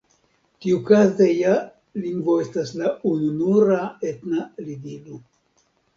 Tiukaze ja lingvo estas la ununura etna ligilo.